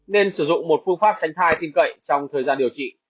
nên sử dụng một phương pháp tránh thai tin cậy trong thời gian điều trị